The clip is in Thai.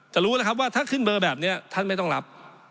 รู้แล้วครับว่าถ้าขึ้นเบอร์แบบนี้ท่านไม่ต้องรับ